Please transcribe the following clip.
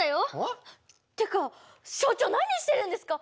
ってか所長何してるんですか？